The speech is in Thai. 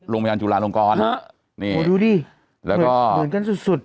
โรงพยาบาลจุฬาลงกรณ์โหดูดิเหมือนกันสุด